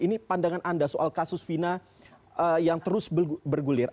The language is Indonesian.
ini pandangan anda soal kasus fina yang terus bergulir